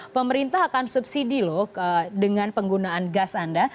pemerintah akan subsidi loh dengan penggunaan gas anda